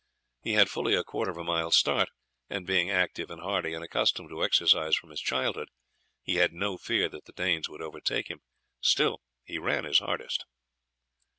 He had fully a quarter of a mile start, and being active and hardy and accustomed to exercise from his childhood, he had no fear that the Danes would overtake him. Still he ran his hardest.